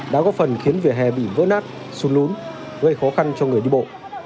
đã góp phần khiến vỉa hè bị vỡ nát sụt lún gây khó khăn cho người đi bộ